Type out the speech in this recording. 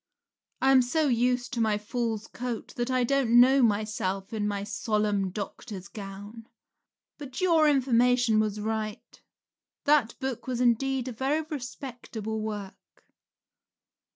I am so used to my fool's coat that I don't know myself in my solemn doctor's gown. But your information was right; that book was indeed a very respectable work.